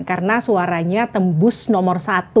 karena suaranya tembus nomor satu